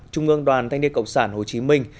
trung ương đoàn thanh niên cộng sản hồ chí minh